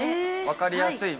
分かりやすい。